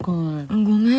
ごめん。